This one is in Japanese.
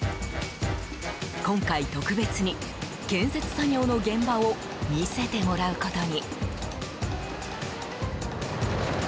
今回特別に、建設作業の現場を見せてもらうことに。